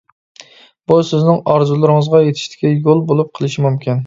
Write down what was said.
بۇ سىزنىڭ ئارزۇلىرىڭىزغا يېتىشتىكى يول بولۇپ قېلىشى مۇمكىن.